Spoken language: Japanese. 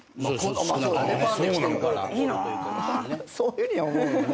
そういうふうに思うのね。